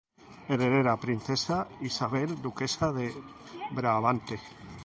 Heredera: Princesa Isabel, duquesa de Brabante.